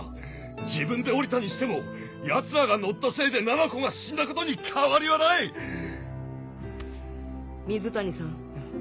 自分で降りたにしてもヤツらが乗ったせいでななこが死んだことに変わりはない‼水谷さん。